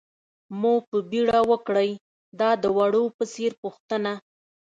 مو په بېړه وکړئ، دا د وړو په څېر پوښتنه.